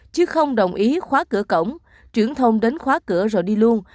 chứ không đồng ý khóa cửa cổng truyền thông đến khóa cửa rồi đi luôn